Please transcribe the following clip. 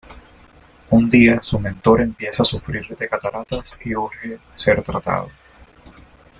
Un día su mentor empieza a sufrir de cataratas y urge ser tratado.